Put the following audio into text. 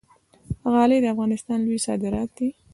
غالۍ د افغانستان لوی صادرات دي